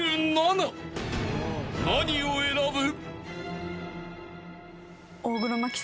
［何を選ぶ？］